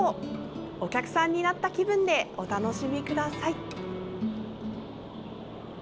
お客さんになった気分でお楽しみください。